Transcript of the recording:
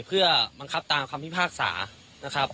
เพื่อบังคับตามคำพิพากษานะครับ